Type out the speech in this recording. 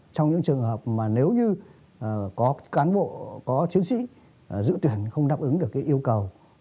trong những trường hợp mà nếu như có cán bộ có chiến sĩ giữ tuyển không đáp ứng được cái yêu cầu